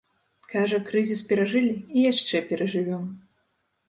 Кажа, крызіс перажылі і яшчэ перажывём.